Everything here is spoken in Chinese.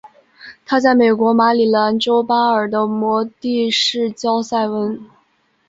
她在美国马里兰州巴尔的摩的市郊塞文。